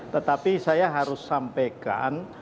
tetapi saya harus sampaikan